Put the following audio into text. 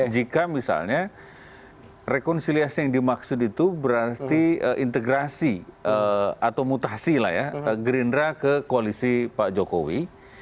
jika misalnya rekonsiliasi yang dimaksud itu berarti integrasi atau mutasi lah ya gerindra ke koalisi pak jokowi